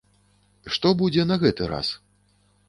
Што будзе на гэты раз?